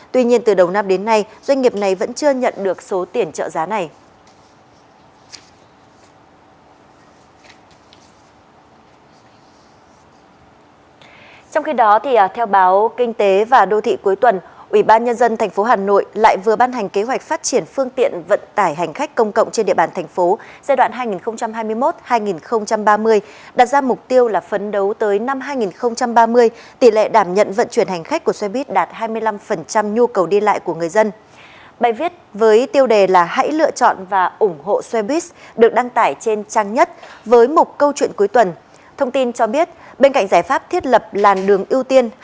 tuy nhiên từ đầu năm đến nay doanh nghiệp này vẫn chưa nhận được số tiền trợ giá này